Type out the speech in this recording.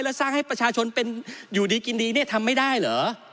แล้วสร้างให้ประชาชนเป็นอยู่ดีกินดีเนี่ยทำไม่ได้เหรอ